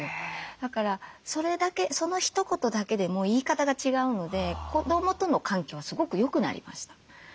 だからそれだけそのひと言だけでも言い方が違うので子どもとの関係はすごく良くなりました。